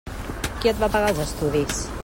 Qui et va pagar els estudis?